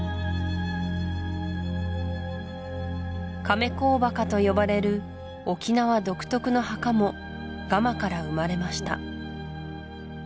亀甲墓とよばれる沖縄独特の墓もガマから生まれました